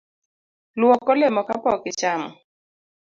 Luok olemo kapok ichamo